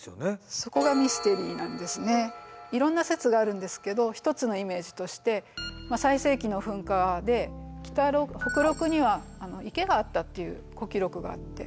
いろんな説があるんですけど一つのイメージとして最盛期の噴火で北麓には池があったっていう古記録があって。